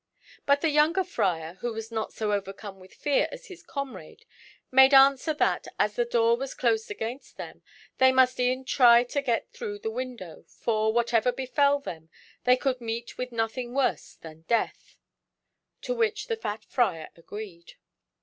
But the younger Friar, who was not so overcome with fear as his comrade, made answer that, as the door was closed against them, they must e'en try to get through the window, for, whatever befel them, they could meet with nothing worse than death; to which the fat Friar agreed.